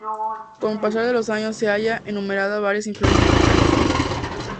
Con el pasar de los años ella ha enumerado varias influencias musicales.